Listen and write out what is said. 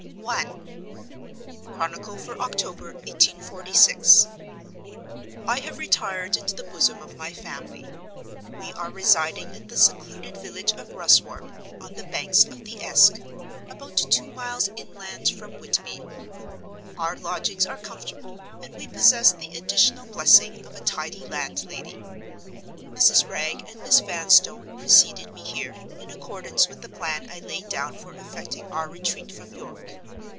I. Chronicle for October, 1846. I have retired into the bosom of my family. We are residing in the secluded village of Ruswarp, on the banks of the Esk, about two miles inland from Whitby. Our lodgings are comfortable, and we possess the additional blessing of a tidy landlady. Mrs. Wragge and Miss Vanstone preceded me here, in accordance with the plan I laid down for effecting our retreat from York.